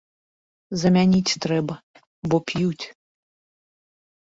Замяніць трэба, бо п'юць.